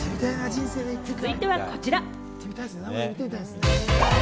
続いてはこちら！